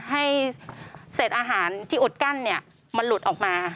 ให้เศษอาหารที่อุดกั้นมันหลุดออกมา